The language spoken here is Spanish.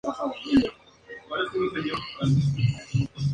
Luego trabajó sobre instrumentos para detectar minas terrestres.